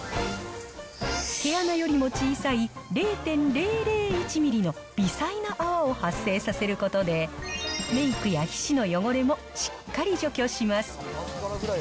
毛穴よりも小さい０．００１ミリの微細な泡を発生させることで、メイクや皮脂の汚れもしっかり除去します。